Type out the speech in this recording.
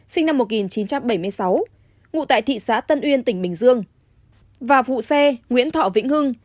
sinh năm một nghìn chín trăm bảy mươi sáu ngụ tại thị xã tân uyên tỉnh bình dương và vụ xe nguyễn thọ vĩnh hưng